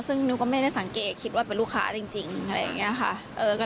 ซึ่งหนูก็ไม่ได้สังเกตคิดว่าเป็นลูกค้าจริงอะไรอย่างนี้ค่ะ